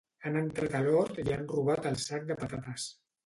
Han entrat a l'hort i li han robat el sac de patates